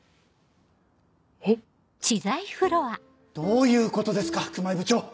えっ？どういうことですか熊井部長！